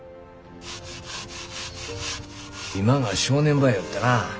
今が正念場やよってな。